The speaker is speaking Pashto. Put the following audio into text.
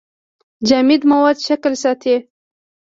جامد مواد شکل ساتي.